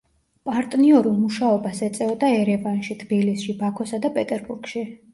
პარტნიორულ მუშაობას ეწეოდა ერევანში, თბილისში, ბაქოსა და პეტერბურგში.